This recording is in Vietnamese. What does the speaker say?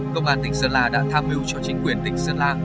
công an tỉnh sơn la đã tham mưu cho chính quyền tỉnh sơn la